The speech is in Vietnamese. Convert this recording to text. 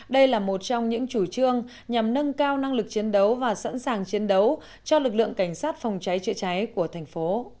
đây là một trong những chủ trương nhằm nâng cao năng lực chiến đấu và sẵn sàng chiến đấu cho lực lượng cảnh sát phòng cháy chữa cháy của thành phố